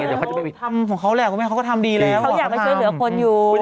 เขาอยากไปเชื่อเหลือคนอยู่